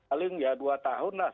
paling ya dua tahun lah